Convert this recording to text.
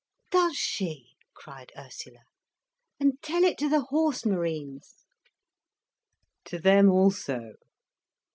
"Does she!" cried Ursula. "And tell it to the Horse Marines." "To them also."